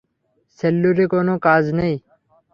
সেল্লুরে কোনো কাজ নেই?